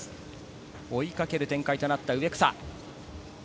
追いかける展開となった植草。